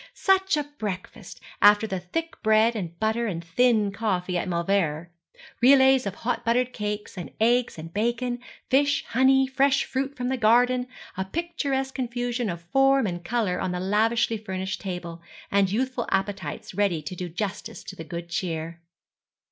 Such a breakfast, after the thick bread and butter and thin coffee at Mauleverer. Relays of hot buttered cakes, and eggs and bacon, fish, honey, fresh fruit from the garden, a picturesque confusion of form and colour on the lavishly furnished table, and youthful appetites ready to do justice to the good cheer.